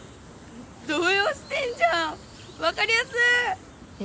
動揺してんじゃん分かりやす！